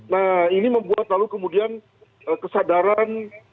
nah ini membuat lalu kemudian kesadaran